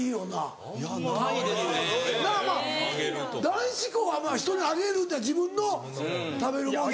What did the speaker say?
男子校は人にあげるってより自分の食べるもん。